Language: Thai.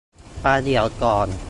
ประเดี๋ยวก่อน